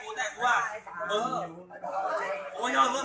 กลับมาเช็ดตาของมอง